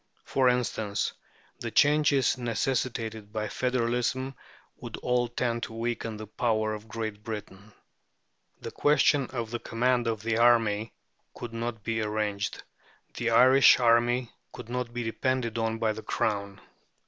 For instance, "the changes necessitated by federalism would all tend to weaken the power of Great Britain" (Dicey, p. 173). The question of the command of the army could not be arranged; the Irish army could not be depended on by the Crown (p.